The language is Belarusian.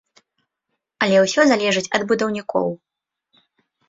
Але ўсё залежыць ад будаўнікоў.